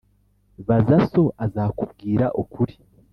Baza so azakubwira ukuri